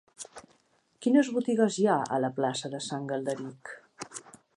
Quines botigues hi ha a la plaça de Sant Galderic?